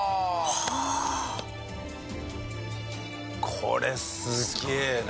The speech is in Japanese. これすげえな。